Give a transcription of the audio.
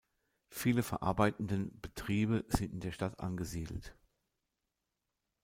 Viele verarbeitenden Betriebe sind in der Stadt angesiedelt.